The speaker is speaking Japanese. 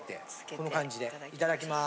こんな感じでいただきます！